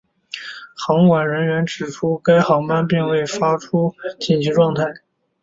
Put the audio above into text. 航管人员指出该航班并未发出紧急状态。